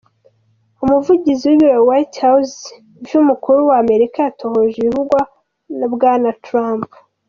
Umuguvugizi w'ibiro White House vy'umukuru wa Amerika, yatohoje ibivugwa na bwana Trump.